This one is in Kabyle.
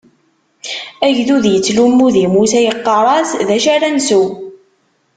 Agdud ittlummu di Musa, iqqar-as: D acu ara nsew?